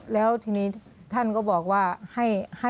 แล้วทีนี้ท่านก็บอกว่าให้